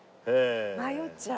迷っちゃう。